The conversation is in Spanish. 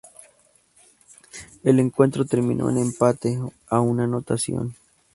El encuentro terminó en empate a una anotación.